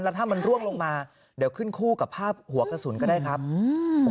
แล้วถ้ามันร่วงลงมาเดี๋ยวขึ้นคู่กับภาพหัวกระสุนก็ได้ครับอืม